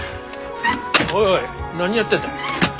おいおい何やってんだ？